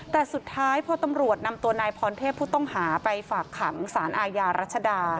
แต่สุดท้ายพอตำรวจนำตัวนายพรเทพผู้ต้องหาไปฝากขังสารอาญารัชดา